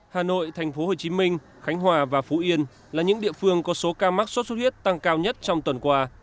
hà nội tp hcm khánh hòa và phú yên là những địa phương có số ca mắc sốt xuất huyết tăng cao nhất trong tuần qua